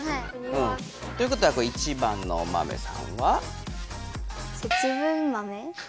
ということは１番のお豆さんは？